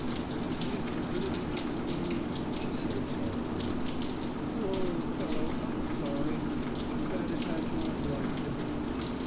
"You see how little you have known me," she said softly. "Poor old fellow, I'm sorry. Too bad it had to end like this."